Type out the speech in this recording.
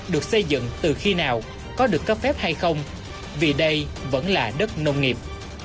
được xây dựng từ khi nào có được cấp phép hay không vì đây vẫn là đất nông nghiệp